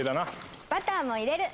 バターも入れる！